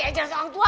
ya jelas orang tua